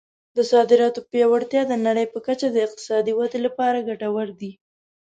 د صادراتو پیاوړتیا د نړۍ په کچه د اقتصادي ودې لپاره ګټور دی.